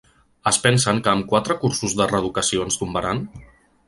Es pensen que amb quatre cursos de reeducació ens tombaran?